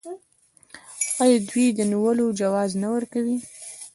آیا دوی د نیولو جواز نه ورکوي؟